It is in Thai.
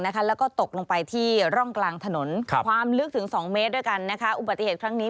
แล้วก็ตกลงไปที่ร่องกลางถนนความลึกถึง๒เมตรด้วยกันนะคะอุบัติเหตุครั้งนี้